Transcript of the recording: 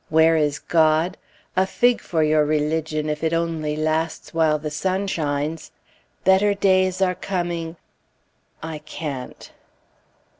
Where is God? A fig for your religion, if it only lasts while the sun shines! "Better days are coming" I can't!